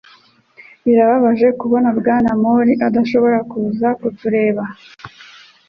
Birababaje kubona Bwana Mori adashobora kuza kutureba.